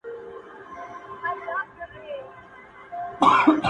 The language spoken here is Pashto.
پاس د مځکي پر سر پورته عدالت دئ!